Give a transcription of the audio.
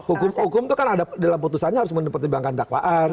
hukum hukum itu kan dalam keputusannya harus mempertimbangkan dakwaan